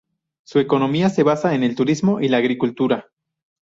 Su economía se basa en el turismo y la agricultura.